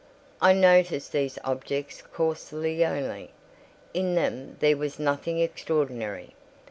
I noticed these objects cursorily only—in them there was nothing extraordinary.